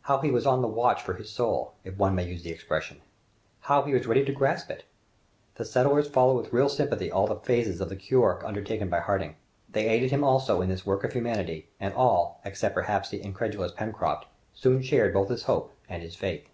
How he was on the watch for his soul, if one may use the expression! How he was ready to grasp it! The settlers followed with real sympathy all the phases of the cure undertaken by Harding. They aided him also in this work of humanity, and all, except perhaps the incredulous Pencroft, soon shared both his hope and his faith.